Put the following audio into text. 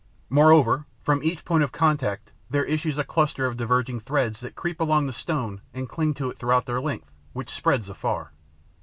Moreover, from each point of contact, there issues a cluster of diverging threads that creep along the stone and cling to it throughout their length, which spreads afar.